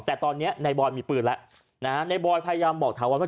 แต่ตอนนี้ในบอยมีปืนแล้วนะฮะในบอยพยายามบอกถาวรว่า